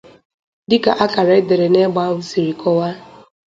dịka akàrà e dere n'egbe ahụ siri kọwaa.